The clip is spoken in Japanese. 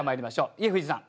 家藤さん